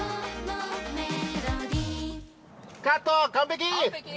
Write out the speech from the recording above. カット、完璧。